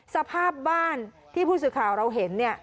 สภาพบ้านที่ผู้สื่อข่าวเราเห็นเนี่ย